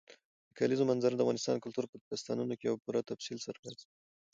د کلیزو منظره د افغان کلتور په داستانونو کې په پوره تفصیل سره راځي.